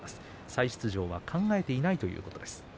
再出場は考えていないということです。